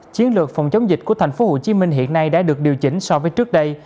chiến lược phòng chống dịch của tp hcm hiện nay đã được điều chỉnh so với trước đây